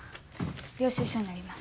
領収書になります。